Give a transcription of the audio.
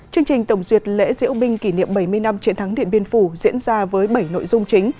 chương trình tổng duyệt lễ diễu binh kỷ niệm bảy mươi năm chiến thắng điện biên phủ diễn ra với bảy nội dung chính